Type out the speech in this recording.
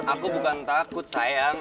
aku bukan takut sayang